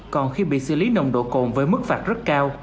còn khi bị xử lý nồng độ cồn với mức phạt rất cao